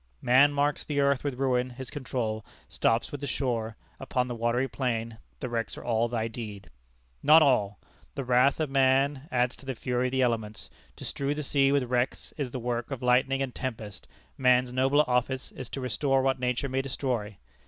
"Man marks the earth with ruin: his control Stops with the shore: upon the watery plain The wrecks are all thy deed." Not all! The wrath of man adds to the fury of the elements. To strew the sea with wrecks is the work of lightning and tempest: man's nobler office is to restore what nature may destroy.